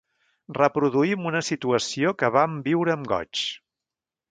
Reproduïm una situació que vam viure amb goig.